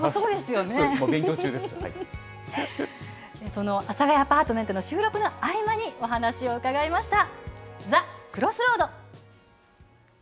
その阿佐ヶ谷アパートメントの収録の合間に、お話を伺いました。